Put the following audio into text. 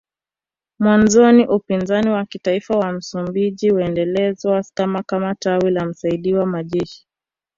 Mwanzoni Upinzani wa Kitaifa wa Msumbiji uliendeshwa kama kama tawi la msaidiziwa majeshi